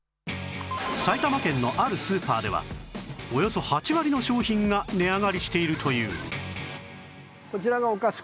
埼玉県のあるスーパーではおよそ８割の商品が値上がりしているという